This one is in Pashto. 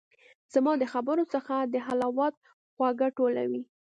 زما د خبرو څخه د حلاوت خواږه ټولوي